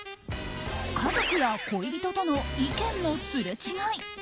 家族や恋人との意見のすれ違い。